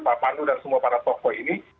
pak pandu dan semua para tokoh ini